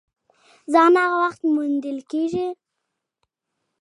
ځان هغه وخت موندل کېږي !